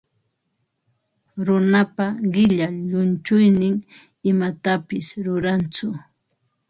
Runapa qilla llunchuynin imatapis rurantsu.